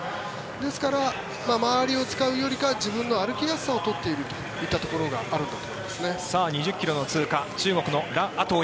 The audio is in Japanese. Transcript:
ですから、周りを使うよりかは自分の歩きやすさを取っているといったところがあるんだと思います。